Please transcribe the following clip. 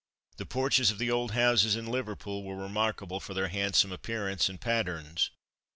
The porches of the old houses in Liverpool were remarkable for their handsome appearance and patterns.